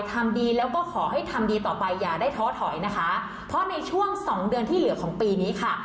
ทำดีแล้วก็ขอให้ทำดีต่อไปอย่าได้ท้อถอยนะคะเพราะในช่วงสองเดือนที่เหลือของปีนี้ค่ะ